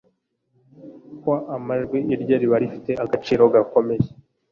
kw amajwi irye riba rifite agaciro gakomeye